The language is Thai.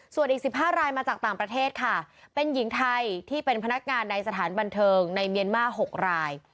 ส่วนอีก๑๕รายมาจากต่างประเทศค่ะเป็นหญิงไทยที่เป็นพนักงานในสถานบันเทิงในเมียนมาร์๖ราย